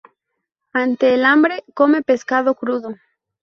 Ante el hambre, come pescado crudo.